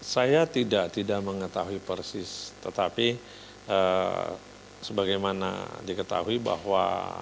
saya tidak mengetahui persis tetapi sebagaimana diketahui bahwa